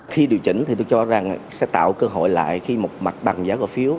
khi điều chỉnh thì tôi cho rằng sẽ tạo cơ hội lại khi một mặt bằng giá cổ phiếu